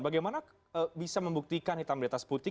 bagaimana bisa membuktikan hitam di atas putih